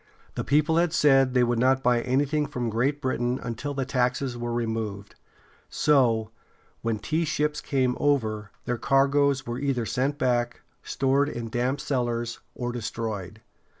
The people had said they would not buy anything from Great Britain until the taxes were removed; so, when tea ships came over, their cargoes were either sent back, stored in damp cellars, or destroyed.